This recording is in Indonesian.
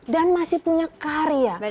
dan masih punya karya